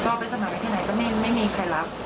ก็ไปสมัครไปที่ไหนก็ไม่มีใครรับ